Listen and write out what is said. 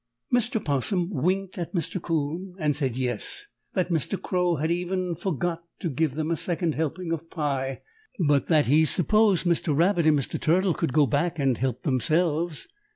Mr. 'Possum winked at Mr. 'Coon and said yes, that Mr. Crow had even forgot to give them a second helping of pie, but that he supposed Mr. Rabbit and Mr. Turtle could go back and help themselves.